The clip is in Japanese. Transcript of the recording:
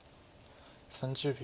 ３０秒。